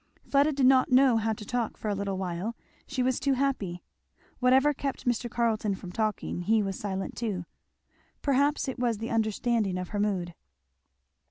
Fleda did not know how to talk for a little while; she was too happy. Whatever kept Mr. Carleton from talking, he was silent also. Perhaps it was the understanding of her mood.